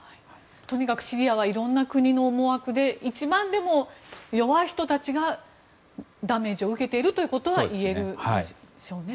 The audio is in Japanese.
とにかくシリアはいろんな国の思惑で弱い人たちがダメージを受けているということが言えるでしょうね。